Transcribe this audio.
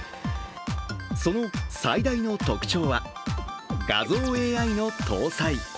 その最大の特徴は、画像ＡＩの搭載。